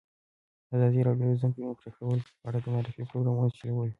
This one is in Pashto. ازادي راډیو د د ځنګلونو پرېکول په اړه د معارفې پروګرامونه چلولي.